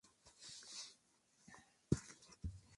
Eduardo de Castro presentó candidatura para presidir la ciudad.